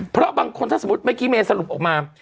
เพราะบางคนถ้าสมมุติเมื่อกี้เมย์สรุปออกมา